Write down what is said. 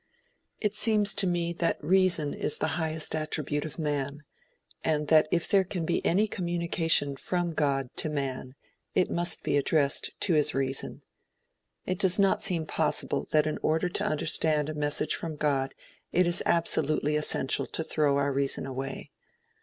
It seems to me that reason is the highest attribute of man, and that if there can be any communication from God to man, it must be addressed to his reason. It does not seem possible that in order to understand a message from God it is absolutely essential to throw our reason away.